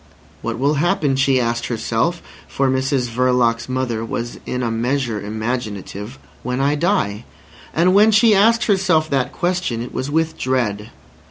What will happen, she asked herself (for Mrs Verloc's mother was in a measure imaginative), when I die? And when she asked herself that question it was with dread.